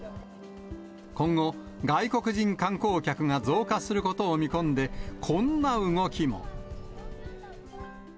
今後、外国人観光客が増加することを見込んで、こんな動きも。